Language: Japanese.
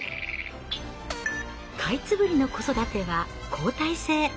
カイツブリの子育ては交代制。